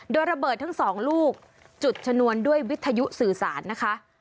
โดยระเบิดทั้งสองลูกจุดชนวนด้วยวิทยุสื่อสารนะคะ